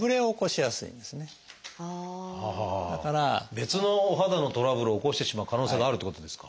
別のお肌のトラブルを起こしてしまう可能性があるってことですか。